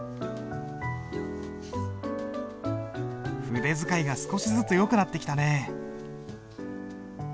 筆使いが少しずつよくなってきたね。